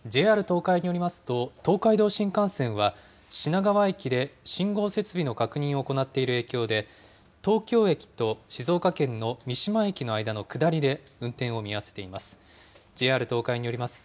ＪＲ東海によりますと、東海道新幹線は、品川駅で信号設備の確認を行っている影響で、東京駅と静岡県の三島駅の間の下りで運転を見合わせています。